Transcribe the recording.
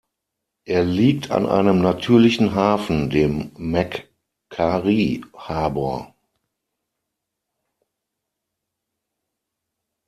Er liegt an einem natürlichen Hafen, dem Macquarie Harbour.